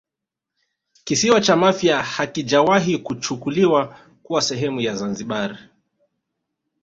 Kisiwa cha Mafia hakijawahi kuchukuliwa kuwa sehemu ya Zanzibar